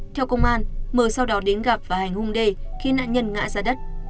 theo công an m sau đó đến gặp và hành hung d khi nạn nhân ngã ra đất